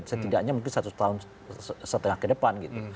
setidaknya mungkin satu setengah ke depan